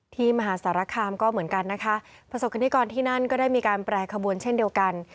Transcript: มหาสารคามก็เหมือนกันนะคะประสบคณิกรที่นั่นก็ได้มีการแปรขบวนเช่นเดียวกัน